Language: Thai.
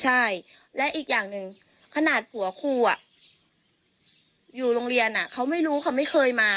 ใช่และอีกอย่างหนึ่งขนาดผัวครูอยู่โรงเรียนเขาไม่รู้เขาไม่เคยมา